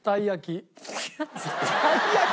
たい焼き。